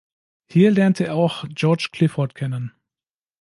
Hier lernte er auch George Clifford kennen.